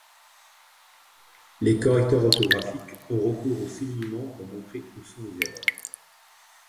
Les correcteurs orthographiques ont recours au soulignement pour montrer où sont les erreurs.